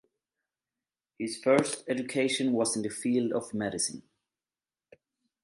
His first education was in the field of medicine.